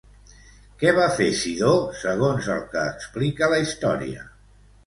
Què va fer Cidó, segons el que explica la història?